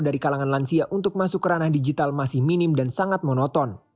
dari kalangan lansia untuk masuk ke ranah digital masih minim dan sangat monoton